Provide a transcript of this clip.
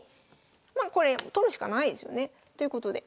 まあこれ取るしかないですよね。ということで。